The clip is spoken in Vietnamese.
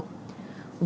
với chủ trương hải hà